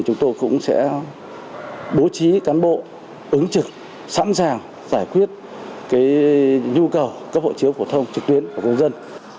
chúng tôi cũng sẽ bố trí cán bộ ứng trực sẵn sàng giải quyết nhu cầu cấp hộ chiếu phổ thông trực tuyến của công dân